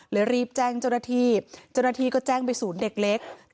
รีบแจ้งเจ้าหน้าที่เจ้าหน้าที่ก็แจ้งไปศูนย์เด็กเล็ก